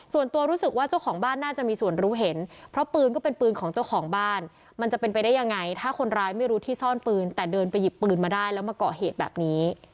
ส่วนตัวรู้สึกว่าเจ้าของบ้านน่าจะมีส่วนรู้เห็นเพราะปืนก็เป็นปืนของเจ้าของบ้านมันจะเป็นไปได้ยังไงถ้าคนร้ายไม่รู้ที่ซ่อนปืนแต่เดินไปหยิบปืนมาได้แล้วมาเกาะเหตุแบบนี้